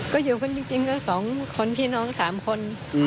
ก็อยู่กันจริงก็๒คนพี่น้อง๓คน